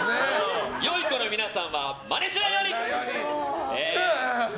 良い子の皆さんはマネしないように。